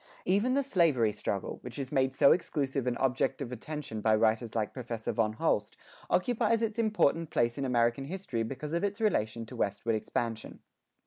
Even the slavery struggle, which is made so exclusive an object of attention by writers like Professor von Holst, occupies its important place in American history because of its relation to westward expansion.